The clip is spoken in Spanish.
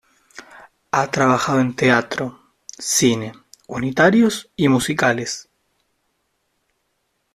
Ha trabajado en teatro, cine, unitarios y musicales.